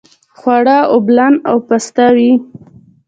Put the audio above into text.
خواړه اوبلن او پستوي.